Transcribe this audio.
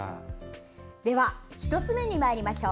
では１つ目にまいりましょう。